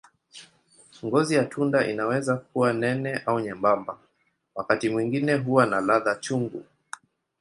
Ngozi ya tunda inaweza kuwa nene au nyembamba, wakati mwingine huwa na ladha chungu.